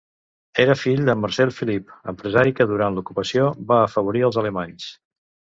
Era fill de Marcel Felip, empresari que durant l'ocupació va afavorir als Alemanys.